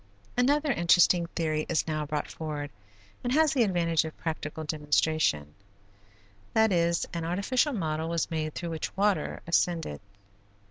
Another interesting theory is now brought forward and has the advantage of practical demonstration, that is, an artificial model was made through which water ascended.